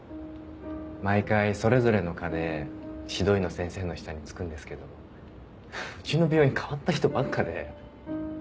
毎回それぞれの科で指導医の先生の下につくんですけどうちの病院変わった人ばっかで。